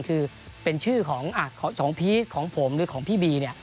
คือเป็นชื่อของพีชของผมหรือของพี่บีเนี่ย